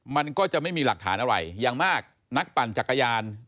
มันก็จะไม่มีหลักฐานอะไรอย่างมากนักปั่นจักรยาน